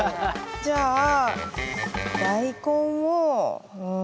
じゃあ大根をうん。